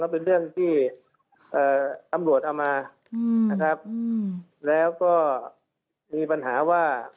เป็นเรื่องที่ตำรวจเอามานะครับแล้วก็มีปัญหาว่า